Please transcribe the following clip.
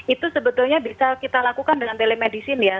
itu sebetulnya bisa kita lakukan dengan telemedicine ya